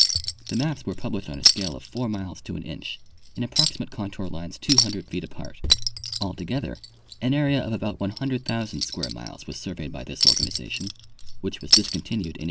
The maps were published on a scale of 4 miles to an inch, in approximate contour lines 200 feet apart. Altogether an area of about 100,000 square miles was surveyed by this organization, which was discontinued in 1879.